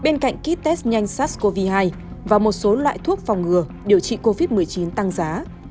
bên cạnh kit test nhanh sars cov hai và một số loại thuốc phòng ngừa điều trị covid một mươi chín tăng giá